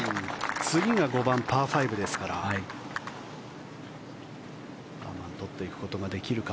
次が５番、パー５ですからハーマン取っていくことができるか。